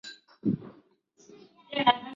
西北鸦的主羽与短嘴鸦差不多相同。